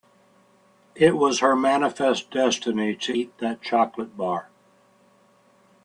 It was her manifest destiny to eat that chocolate bar.